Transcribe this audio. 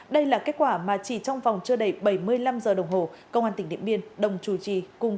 đây là kết quả mà chỉ trong vòng chưa đầy bảy mươi năm giờ đồng hồ công an tỉnh điện biên đồng chủ trì cùng